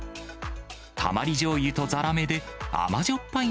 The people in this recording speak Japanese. たまりじょうゆとザラメで甘じょっぱい